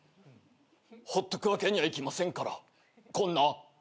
ほっとくわけにはいきませんからこんなすてきな女性を。